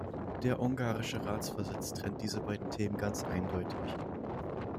Der ungarische Ratsvorsitz trennt diese beiden Themen ganz eindeutig.